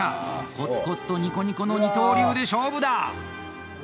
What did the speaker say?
コツコツとニコニコの二刀流で勝負だ！